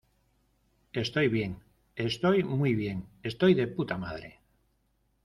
estoy bien. estoy muy bien, estoy de_puta_madre .